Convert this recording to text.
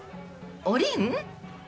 おりん？